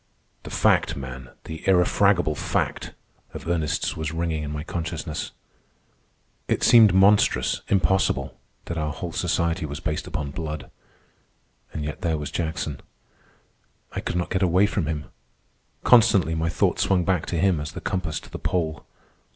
"The fact, man, the irrefragable fact!" of Ernest's was ringing in my consciousness. It seemed monstrous, impossible, that our whole society was based upon blood. And yet there was Jackson. I could not get away from him. Constantly my thought swung back to him as the compass to the Pole.